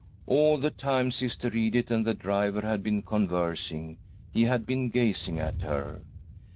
All the time Sister Edith and the driver had been conversing he had been gazing at her.